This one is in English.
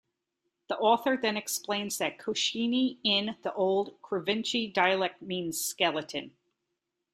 The author then explains that Koshchei-in the old Krivichi dialect-means "skeleton".